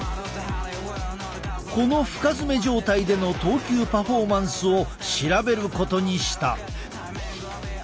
この深爪状態での投球パフォーマンスを調べることにした。